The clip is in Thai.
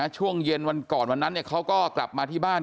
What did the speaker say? ช่วงเย็นวันก่อนวันนั้นเขาก็กลับมาที่บ้าน